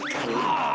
ああ。